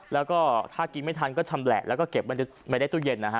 แล้วก็ถ้ากินไม่ทันก็ชำแหละแล้วก็เก็บไม่ได้ตู้เย็นนะฮะ